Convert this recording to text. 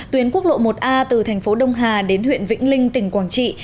tuyến quốc lộ một a từ thành phố đông hà đến huyện vĩnh linh tỉnh quảng trị